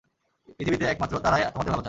পৃথিবীতে একমাত্র তারাই তোমাদের ভালো চায়!